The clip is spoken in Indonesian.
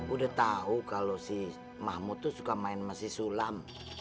udah tau kalo si mahmud tuh suka main sama si sulam